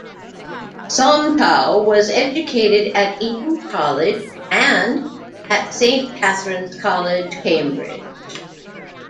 Somtow was educated at Eton College and at Saint Catharine's College, Cambridge.